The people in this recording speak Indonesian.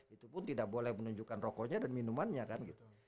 itu pun tidak boleh menunjukkan rokoknya dan minumannya kan gitu